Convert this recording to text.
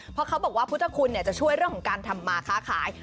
เพราะเขาบอกว่าพุทธคุณจะช่วยเรื่องของการทำมาค้าขาย